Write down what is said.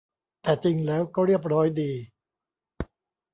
แต่จริงแล้วก็เรียบร้อยดี